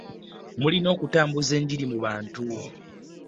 Mulina okutambuza enjiri mu abantu.